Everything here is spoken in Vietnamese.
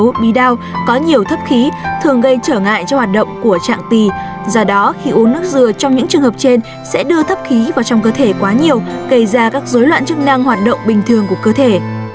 cú đan có nhiều thấp khí thường gây trở ngại cho hoạt động của trạng tì do đó khi uống nước dừa trong những trường hợp trên sẽ đưa thấp khí vào trong cơ thể quá nhiều gây ra các dối loạn chức năng hoạt động bình thường của cơ thể